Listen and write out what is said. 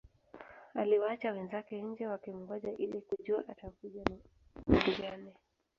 Aliwaacha wenzake nje wakimngoja ili kujua atakuja na jibu gani